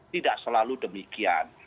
tidak selalu demikian